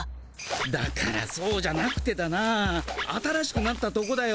だからそうじゃなくてだな新しくなったとこだよ。